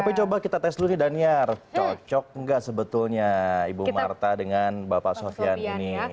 tapi coba kita tes dulu daniar cocok nggak sebetulnya ibu marta dengan bapak sofian ini